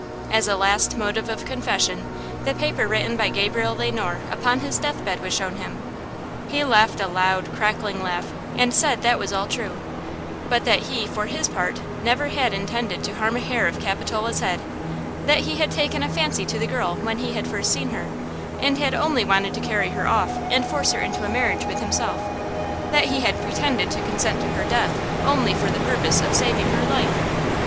As a last motive of confession, the paper written by Gabriel Le Noir upon his death bed was shown him. He laughed a loud, crackling laugh, and said that was all true, but that he, for his part, never had intended to harm a hair of Capitola's head; that he had taken a fancy to the girl when he had first seen her, and had only wanted to carry her off and force her into a marriage with himself; that he had pretended to consent to her death only for the purpose of saving her life.